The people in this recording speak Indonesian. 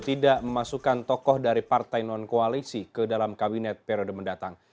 tidak memasukkan tokoh dari partai non koalisi ke dalam kabinet periode mendatang